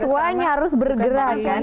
orang tuanya harus bergerak